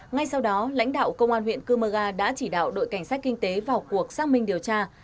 ngay sau đó lãnh đạo công an huyện cơ mơ ga đã chỉ đạo đội cảnh sát kinh tế vào cuộc xác minh điều tra